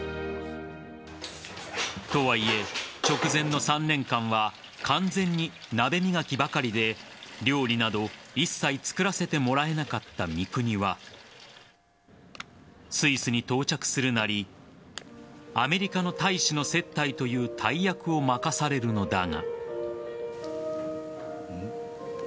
とはいえ、直前の３年間は完全に鍋磨きばかりで料理など一切作らせてもらえなかった三國はスイスに到着するなりアメリカの大使の接待という大役を任されるのだが。